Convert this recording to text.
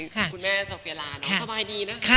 คุณแม่โฟเฟย์ลาสบายดีนะครับ